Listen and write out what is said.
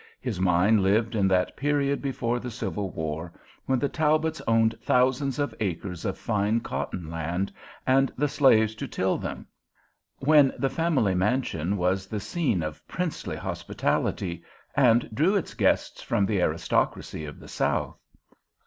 His mind lived in that period before the Civil War when the Talbots owned thousands of acres of fine cotton land and the slaves to till them; when the family mansion was the scene of princely hospitality, and drew its guests from the aristocracy of the South.